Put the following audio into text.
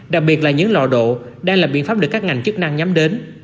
đặc biệt là những lò độ đang là biện pháp được các ngành chức năng nhắm đến